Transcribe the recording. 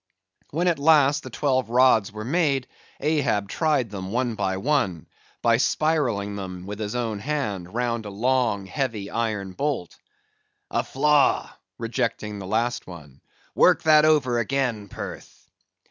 When at last the twelve rods were made, Ahab tried them, one by one, by spiralling them, with his own hand, round a long, heavy iron bolt. "A flaw!" rejecting the last one. "Work that over again, Perth."